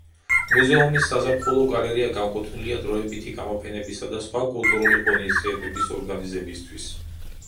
მუზეუმის საზაფხულო გალერეა განკუთვნილია დროებითი გამოფენებისა და სხვა კულტურული ღონისძიებების ორგანიზებისთვის.